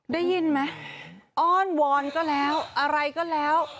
ได้ยินไหมอ้อนวอนก็แล้วอะไรก็แล้ว